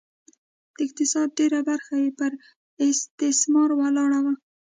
د اقتصاد ډېره برخه یې پر استثمار ولاړه وه